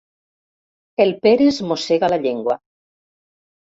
El Pere es mossega la llengua.